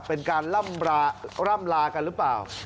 เป็นการร่ำลากันหรือเปล่า